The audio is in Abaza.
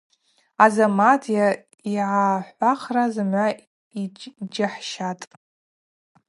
Азамат йгӏахӏвахра зымгӏва йджьахӏщатӏ.